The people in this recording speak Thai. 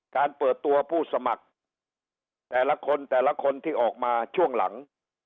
การเปิดตัวผู้สมัครแต่ละคนแต่ละคนที่ออกมาช่วงหลัง